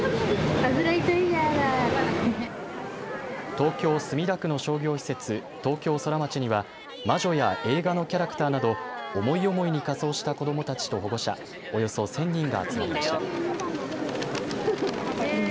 東京墨田区の商業施設、東京ソラマチには魔女や映画のキャラクターなど思い思いに仮装した子どもたちと保護者およそ１０００人が集まりました。